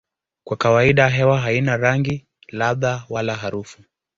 Kwa kawaida hewa haina rangi, ladha wala harufu.